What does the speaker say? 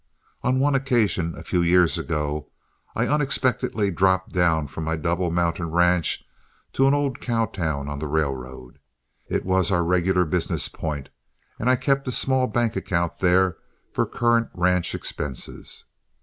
On one occasion a few years ago, I unexpectedly dropped down from my Double Mountain ranch to an old cow town on the railroad. It was our regular business point, and I kept a small bank account there for current ranch expenses.